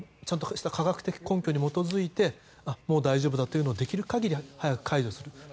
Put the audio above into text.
ちゃんとした科学的根拠に基づいてもう大丈夫だということでできる限り早く解除する。